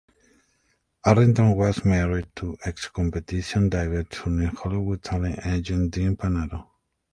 Arrington was married to ex-competition diver turned Hollywood talent agent Dean Panaro.